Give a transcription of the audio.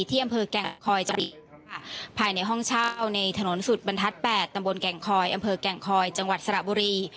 ที่อำเภอแก่งคอยจริภายในห้องเช่าในถนนสุดบรรทัศน์๘ตำบลแก่งคอยอำเภอแก่งคอยจังหวัดสระบุรี